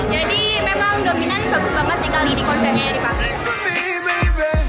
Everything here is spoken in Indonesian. jadi memang dominan bagus banget sih kali ini konsepnya dipakai